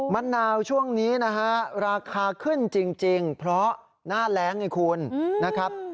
มะนาวช่วงนี้นะฮะราคาขึ้นจริงเพราะหน้าแรงไงคุณนะครับ